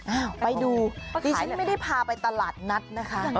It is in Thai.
อ้าวไปดูดิฉันไม่ได้พาไปตลาดนัดนะคะ